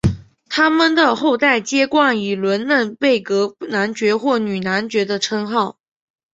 他们的后代皆冠以伦嫩贝格男爵或女男爵的称号。